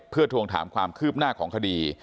เพื่อทวงถามความคืบหน้าของคดี